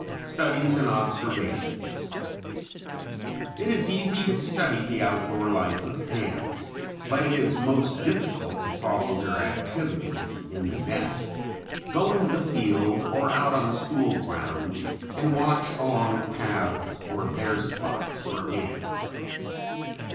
STUDIES AND OBSERVATIONS It is easy to study the out door life of ants, but it is most difficult to follow their activities in the nest. Go into the field or out on the school grounds and watch along paths or bare spots for ants.